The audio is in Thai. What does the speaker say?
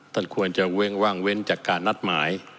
ท่านควรจะเว้งว่างเว้นจากการนัดหมาย